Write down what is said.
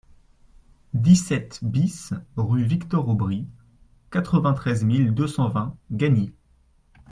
dix-sept BIS rue Victor Aubry, quatre-vingt-treize mille deux cent vingt Gagny